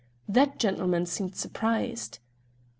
That gentleman seemed surprised.